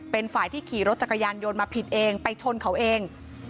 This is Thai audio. เป็นฝ่ายที่ขี่รถจักรยานยนต์มาผิดเองไปชนเขาเอง